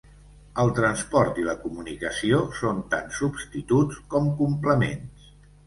El transport i la comunicació són tant substituts com complements.